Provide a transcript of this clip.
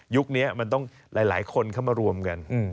นี้มันต้องหลายคนเข้ามารวมกัน